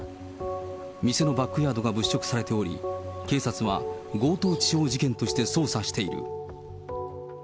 店のバックヤードが物色されており、警察は強盗致傷事件として捜査している。